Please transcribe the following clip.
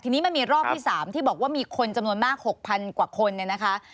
ทีนี้มันมีรอบที่๓ที่บอกว่ามีคนจำนวนมาก๖๐๐๐กว่าคนเนี่ยนะคะ